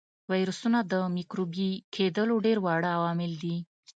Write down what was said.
ویروسونه د مکروبي کېدلو ډېر واړه عوامل دي.